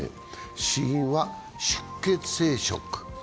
死因は出血性ショック。